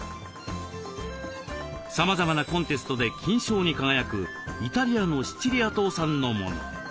さまざまなコンテストで金賞に輝くイタリアのシチリア島産のもの。